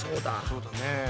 そうだね。